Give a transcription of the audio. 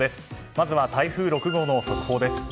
まずは台風６号の速報です。